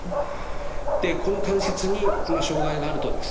でこの関節にも障害があるとですね